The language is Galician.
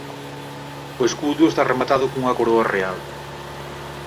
O escudo está rematado cunha coroa real.